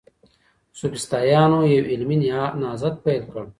سوفسطائيانو يو علمي نهضت پيل کړ.